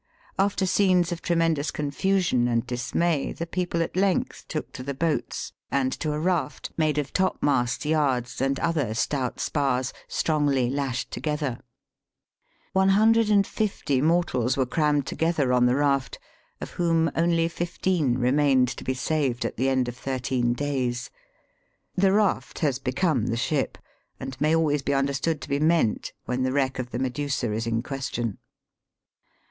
After scenes of tremend >:is confusion and dismay, the people at length took to the boats, and to a raft. made of topmasts, yards, and other stout spars, st; on^ly lashed fcogetberJ One hundred and fifty mortals \sere crammed together on the raft, of whom only iifu en remained to be saved a.t the end of thirie n days. The raft has become tin ship, and may always be understood to be m";,nt when the wreck of '• ln a is in question.